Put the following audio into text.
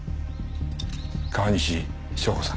川西祥子さん。